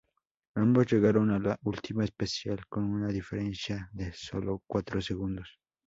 Ambos llegaron a la última especial con una diferencia de solo cuatro segundos.